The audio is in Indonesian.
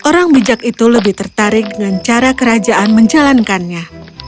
orang bijak itu lebih tertarik dengan cara kerajaan menjalankannya